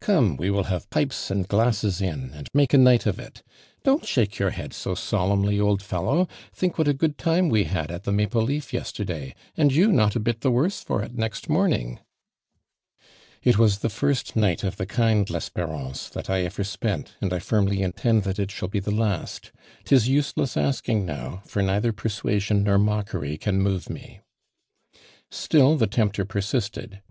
"Come, we will have pipes and glasses in ami make a night of It I Don't shake your head so solemnly, old fellow. Think what a good ARMAND DURAND. Tl Ived Iwas put 1 the lime ud jiaiii Iho |ur we U a so |>oii time we liocl at the Maple Leaf yesterday and you not a bit the worse for it next morning!" '' It was the first night of the kind, Les perance, that I ever spent, and I firmly in tend that it shall be the last. 'Tis useless anking, now, for neither persuasion nor mockery can move me." Still the tempter persisted.